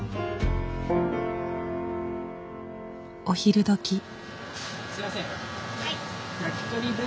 お昼どき。